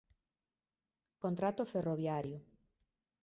Contrato ferroviario